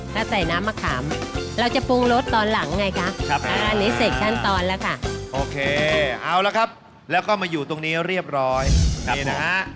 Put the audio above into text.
ถ้าใส่น้ำมะขามเราจะปรุงรสตอนหลังไงคะครับอันนี้เสร็จขั้นตอนแล้วค่ะโอเคเอาละครับแล้วก็มาอยู่ตรงนี้เรียบร้อยนี่นะฮะ